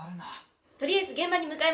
とりあえず現場に向かいます。